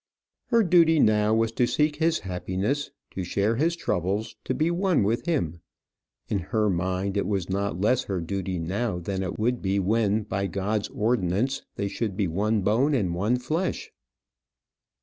Her duty now was to seek his happiness, to share his troubles, to be one with him. In her mind it was not less her duty now than it would be when, by God's ordinance, they should be one bone and one flesh.